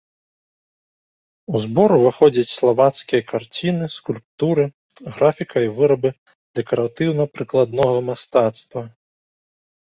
У збор уваходзяць славацкія карціны, скульптуры, графіка і вырабы дэкаратыўна-прыкладнага мастацтва.